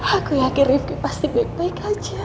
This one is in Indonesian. aku yakin rifki pasti baik baik